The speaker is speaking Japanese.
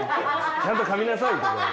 ちゃんとかみなさい！とかいう。